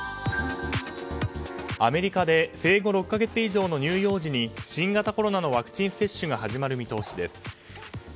アメリカで生後６か月以上の乳幼児に新型コロナのワクチン接種が始まる見通しです。